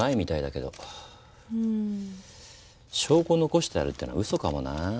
証拠残してあるってのはうそかもな。